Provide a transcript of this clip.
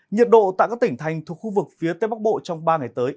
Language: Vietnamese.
nhiệt độ tại các tỉnh thành thuộc khu vực phía tây bắc bộ trong ba ngày tới